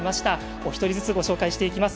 お一人ずつご紹介していきます。